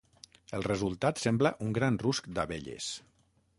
El resultat sembla un gran rusc d'abelles.